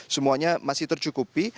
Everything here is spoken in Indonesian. semuanya masih tercukupi